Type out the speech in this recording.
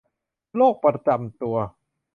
โรคประจำตัว